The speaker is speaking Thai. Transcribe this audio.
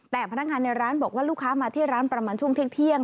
แต่พนักงานในร้านบอกว่าลูกค้ามาที่ร้านประมาณช่วงเที่ยง